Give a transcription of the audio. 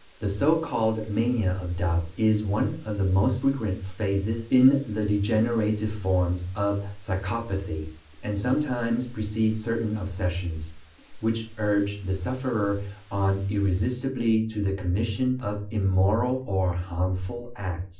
The so called "mania of doubt" is one of the most frequent phases in the degenerative forms of psychopathy, and sometimes precedes certain obsessions, which urge the sufferer on irresistibly to the commission of immoral or harmful acts.